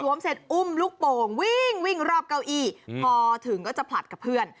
เสร็จอุ้มลูกโป่งวิ่งวิ่งรอบเก้าอี้พอถึงก็จะผลัดกับเพื่อน